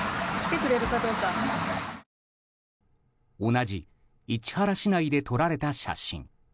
同じ市原市内で撮られた写真。